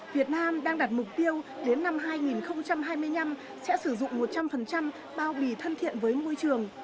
việt nam đang đặt mục tiêu đến năm hai nghìn hai mươi năm sẽ sử dụng một trăm linh bao bì thân thiện với môi trường